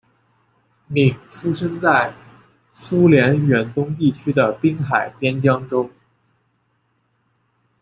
闵出生在苏联远东地区的滨海边疆州。